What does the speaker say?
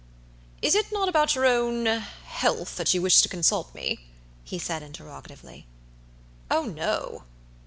"Is it not about your ownhealththat you wish to consult me?" he said, interrogatively. "Oh, no!"